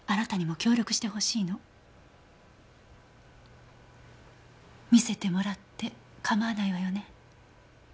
見せてもらって構わないわよね？